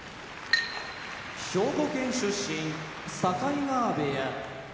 兵庫県出身境川部屋